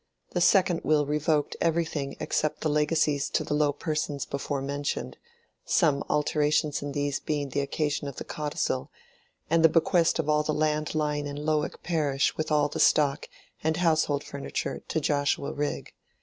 The second will revoked everything except the legacies to the low persons before mentioned (some alterations in these being the occasion of the codicil), and the bequest of all the land lying in Lowick parish with all the stock and household furniture, to Joshua Rigg.